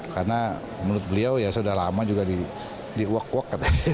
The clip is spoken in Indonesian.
karena menurut beliau ya sudah lama juga di uak uak